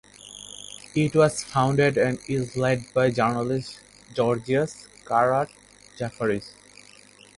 It was founded and is led by journalist Georgios Karatzaferis.